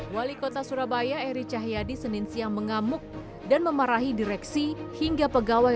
wali kota surabaya eri cahyadi senin siang mengamuk dan memarahi direksi hingga pegawai